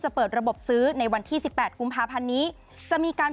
เปิดระบบซื้อในวันที่สิบแปดกุมภาพันธ์นี้จะมีการ